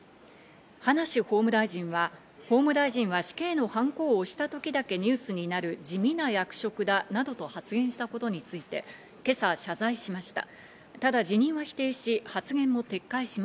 葉梨法務大臣は、法務大臣は死刑のハンコを押したときだけニュースになる、地味な役職だなどと発言したことについて、今朝、謝罪しました。